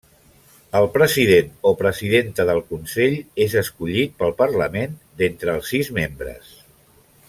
El president o presidenta del Consell és escollit pel Parlament d'entre els sis membres.